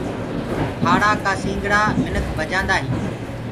ڦآڙآ ڪآ سنگڙآ منک بجآندآ هينٚ۔